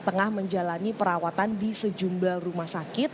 tengah menjalani perawatan di sejumlah rumah sakit